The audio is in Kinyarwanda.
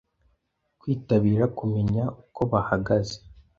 kwitabira kumenya uko bahagaze